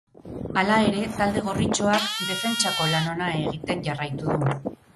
Hala ere, talde gorritxoak defentsako lan ona egiten jarraitu du.